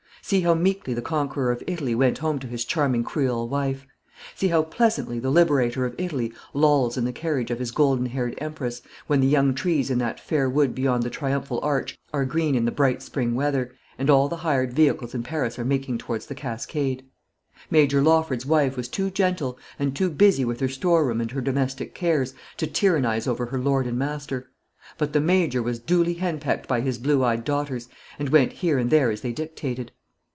See how meekly the Conqueror of Italy went home to his charming Creole wife! See how pleasantly the Liberator of Italy lolls in the carriage of his golden haired Empress, when the young trees in that fair wood beyond the triumphal arch are green in the bright spring weather, and all the hired vehicles in Paris are making towards the cascade! Major Lawford's wife was too gentle, and too busy with her store room and her domestic cares, to tyrannise over her lord and master; but the Major was duly henpecked by his blue eyed daughters, and went here and there as they dictated.